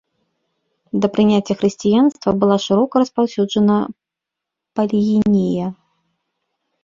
Да прыняцця хрысціянства была шырока распаўсюджана палігінія.